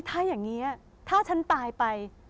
ถ้าอย่างนี้ถ้าฉันตายไป